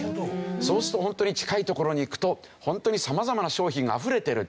そうするとホントに近い所に行くとホントに様々な商品があふれてる。